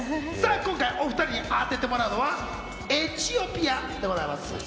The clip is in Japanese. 今回、お２人に当ててもらうのはエチオピアです。